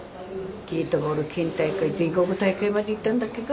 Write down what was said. ゲートボール県大会全国大会まで行ったんだっけか？